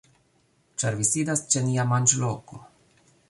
Ĉar vi sidas ĉe nia manĝloko!